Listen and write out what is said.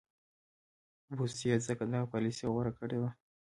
بوسیا ځکه دغه پالیسي غوره کړې وه.